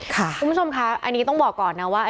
คุณผู้ชมคะอันนี้ต้องบอกก่อนนะว่า